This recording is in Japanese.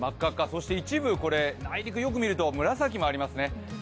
そして一部、内陸よく見ると紫もありますね。